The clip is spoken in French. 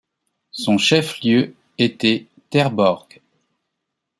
Son chef-lieu était Terborg.